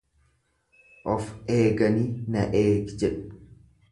Of eeganii na eegi jedhu.